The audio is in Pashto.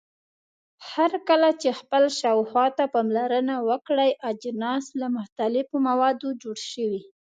هرکله چې خپل شاوخوا ته پاملرنه وکړئ اجناس له مختلفو موادو جوړ شوي.